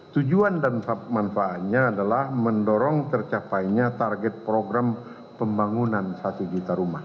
tujuan dan manfaatnya adalah mendorong tercapainya target program pembangunan satu juta rumah